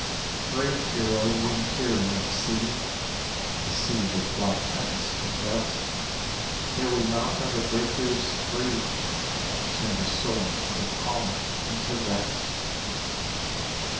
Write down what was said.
Brave hero, winged hero of sea The sea with black tempest in breast, Here we mount on the breakers, free, Soon to soar into calm, into rest!